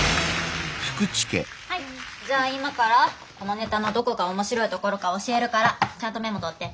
はいじゃあ今からこのネタのどこが面白いところか教えるからちゃんとメモとって。